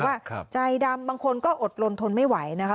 ว่าใจดำบางคนก็อดลนทนไม่ไหวนะคะ